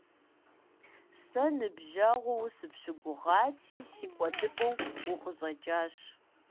Сэ ныбжьэгъуу сыпщыгугъати, си кӀуэдыпӀэу укъыщӀэкӀащ.